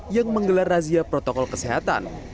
yang menggelar razia protokol kesehatan